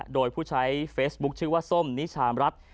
โดยผู้ใช้เฟซบุ๊คชื่อว่าส้มนิชามรัฐ